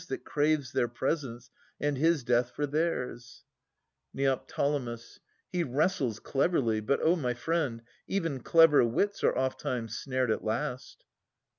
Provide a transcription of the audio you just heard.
That craves their presence, and his death for theirs. Ned. He wrestles cleverly ; but, O my friend, Even clever wits are ofttimes snared at last.